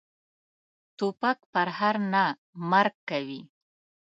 توپک پرهر نه، مرګ کوي.